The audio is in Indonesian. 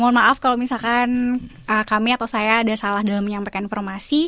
mohon maaf kalau misalkan kami atau saya ada salah dalam menyampaikan informasi